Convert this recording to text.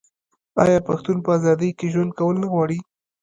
آیا پښتون په ازادۍ کې ژوند کول نه غواړي؟